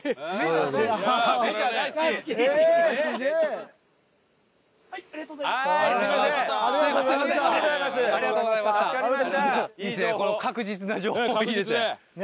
確実な情報いいですね。